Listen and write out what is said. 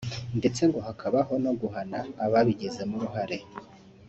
ndetse ngo hakabaho no guhana ababigizemo uruhare